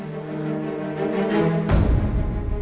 bukannya dari tadi sekalian